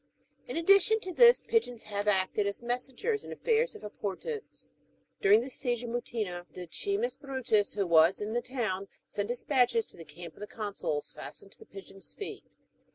In addition to this, pigeons have acted as messengers in aftairs of importance. During the siege of Mutina, Decimus Erutus, who Avas in the town, sent despatches to the camp of the consuls^'' fastened to pigeons' feet.